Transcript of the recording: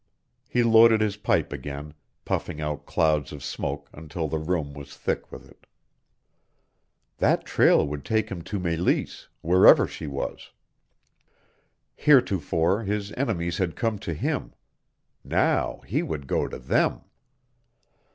He loaded his pipe again, puffing out clouds of smoke until the room was thick with it. That trail would take him to Meleese wherever she was. Heretofore his enemies had come to him; now he would go to them.